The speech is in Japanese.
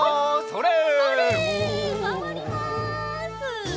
それ！